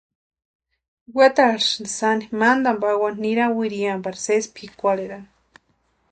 Wetarhisïnti sani mantani pawani nirani wiriani pari sési pʼikwarherani.